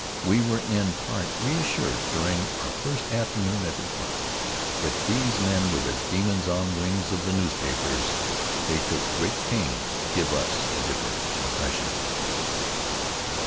We were in part reassured during our first afternoon at the front. If these men were the demons on wings of the newspapers, they took great pains to give us a different impression.